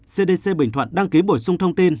cdc bình thuận đăng ký bổ sung thông tin